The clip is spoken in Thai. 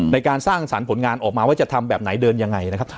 ในการสร้างสรรค์ผลงานออกมาว่าจะทำแบบไหนเดินยังไงนะครับ